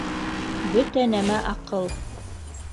Бөтә нәмә аҡыл